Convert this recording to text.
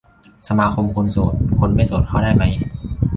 สมาคมคนโสด คนไม่โสดเข้าได้ไหม